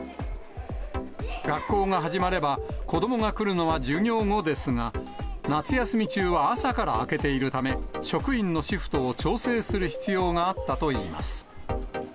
学校が始まれば、子どもが来るのは授業後ですが、夏休み中は朝から開けているため、職員のシフトを調整する必要があったといいます。